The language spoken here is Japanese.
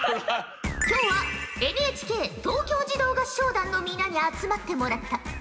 今日はＮＨＫ東京児童合唱団の皆に集まってもらった。